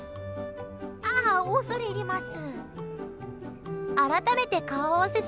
あっ、恐れ入ります。